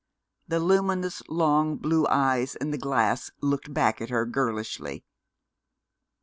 The luminous long blue eyes in the glass looked back at her girlishly.